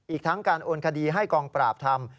อีกทั้งการโอนคดีให้กองปราบทำ